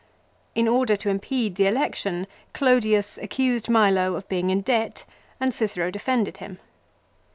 In order to impede the election Clodius accused Milo of being in debt and Cicero defended him.